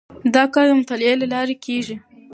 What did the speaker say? دا کار د مطالعې له لارې کیږي.